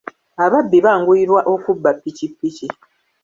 Ababbi banguyirwa okubba ppikipiki.